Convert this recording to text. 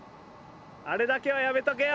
あれだけはやめとけよ！